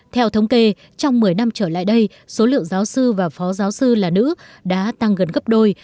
theo thống kê trong một mươi năm trở lại đây số lượng giáo sư và phó giáo sư là nữ đã tăng gần gấp đôi